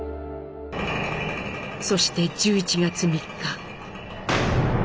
そして１１月３日。